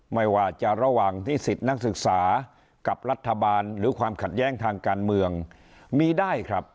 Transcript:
ไม่ว่าจะระหว่างนิสิทธิ์นักศึกษากับรัฐบาลหรือความขัดแย้งทางการเมืองมีได้ครับ